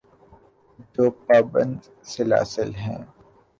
جو پابند سلاسل ہیں۔